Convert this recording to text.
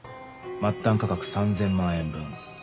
末端価格３０００万円分。